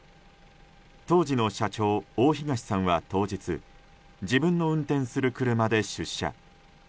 当時の社長、大東さんは当日自分の運転する車で出社。